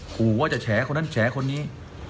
ห่วงว่าจะแฉะคนด้านแฉะหนี้